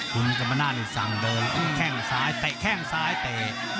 คุณกรรมนาศนี่สั่งเดินแข้งซ้ายเตะแข้งซ้ายเตะ